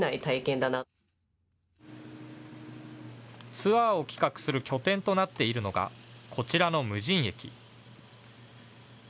ツアーを企画する拠点となっているのがこちらの無人駅。